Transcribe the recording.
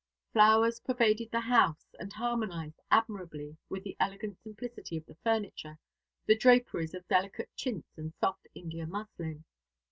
Flowers pervaded the house, and harmonised admirably with the elegant simplicity of the furniture, the draperies of delicate chintz and soft India muslin.